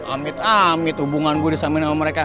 amit amit hubungan gue disamain sama mereka